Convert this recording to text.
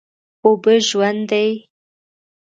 اوبه ژوند دي.